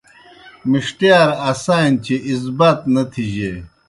مِݜٹِیار آسہ نیْ چہ ازبات نہ تِھجیئے